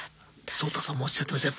ソウタさんもおっしゃってました。